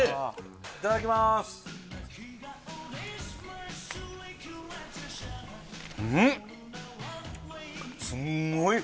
いただきますうん！